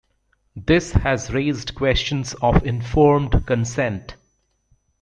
This has raised questions of informed consent.